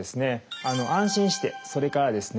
安心してそれからですね